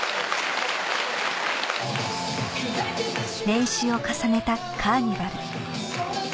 練習を重ねた『カーニバる？』